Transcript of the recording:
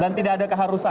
dan tidak ada keharusan